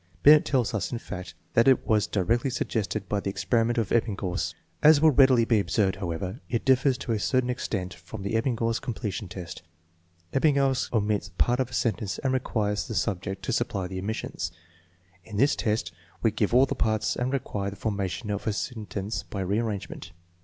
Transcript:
Binet tells us, in fact, that it was directly suggested by the experiment of Ebbinghaus. As will readily be observed, however, it differs to a certain extent from the Ebbinghaus completion test. Ebbinghaus omits parts of a sentence and requires the subject to supply the omissions. In this test we give all the parts and require the formation of a sentence by rearrangement.